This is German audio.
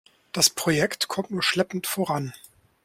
Das Projekt kommt nur schleppend voran.